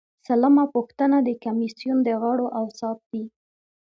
سلمه پوښتنه د کمیسیون د غړو اوصاف دي.